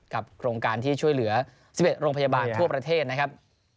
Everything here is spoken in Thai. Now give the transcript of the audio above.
โครงการที่ช่วยเหลือ๑๑โรงพยาบาลทั่วประเทศนะครับ